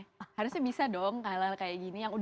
harusnya bisa dong khailand kayak gini